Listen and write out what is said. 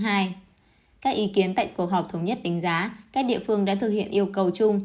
các ý kiến tại cuộc họp thống nhất đánh giá các địa phương đã thực hiện yêu cầu chung